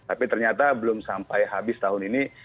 tapi ternyata belum sampai habis tahun ini